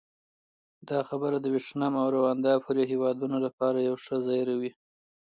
دا خبره د ویتنام او روندا پورې هېوادونو لپاره یو ښه زېری وي.